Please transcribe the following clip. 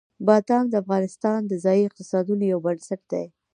بادام د افغانستان د ځایي اقتصادونو یو بنسټ دی.